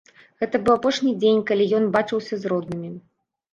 Гэта быў апошні дзень, калі ён бачыўся з роднымі.